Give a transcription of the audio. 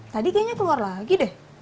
tadi kayaknya keluar lagi deh